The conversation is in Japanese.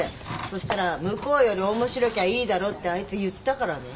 そしたら向こうより面白きゃいいだろってあいつ言ったからね。